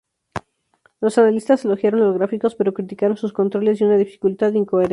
Los analistas elogiaron los gráficos pero criticaron sus controles y una dificultad incoherente.